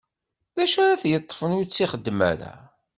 D acu ara t-yeṭṭfen ur tt-ixeddem ara?